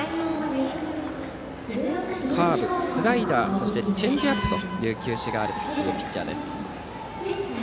カーブ、スライダーそしてチェンジアップという球種があるピッチャーです。